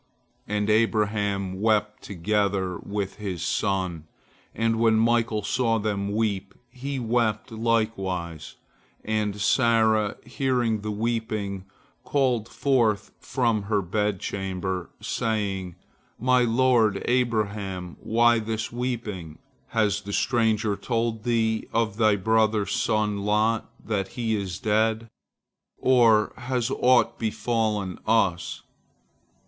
And Abraham wept together with his son, and when Michael saw them weep, he wept likewise. And Sarah, hearing the weeping, called forth from her bedchamber, saying: "My lord Abraham, why this weeping? Has the stranger told thee of thy brother's son Lot, that he is dead? or has aught befallen us?"